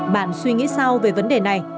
bạn suy nghĩ sao về vấn đề này